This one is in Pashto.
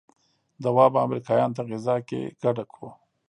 دوا به امريکايانو ته غذا کې ګډه کو.